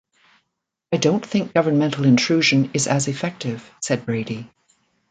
I don't think governmental intrusion is as effective, said Brady.